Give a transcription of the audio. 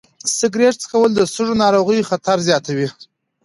سګرټ څکول د سږو ناروغیو خطر زیاتوي.